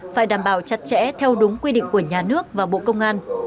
phải đảm bảo chặt chẽ theo đúng quy định của nhà nước và bộ công an